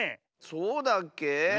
そうだっけ？